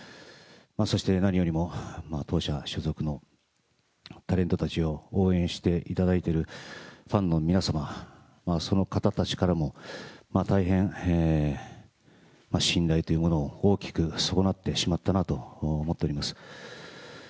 そして何よりも当社所属のタレントたちを応援していただいているファンの皆様、その方たちからも、大変信頼というものを大きく損なってしまったなと思っております。